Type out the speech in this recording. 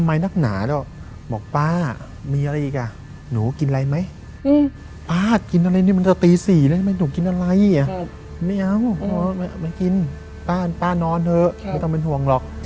ไม่เอาไม่กินป้านอนเถอะไม่ต้องเป็นห่วงหรอก